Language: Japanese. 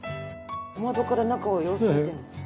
小窓から中の様子を見てるんですね。